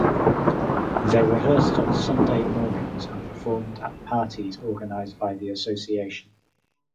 They rehearsed on Sunday mornings and performed at parties organized by the association.